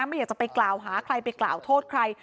ไม่อยากจะไปกล่าวหาใครไปกล่าวโทษใคร